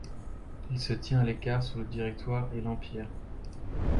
Il se tient à l'écart sous le Directoire et l'Empire.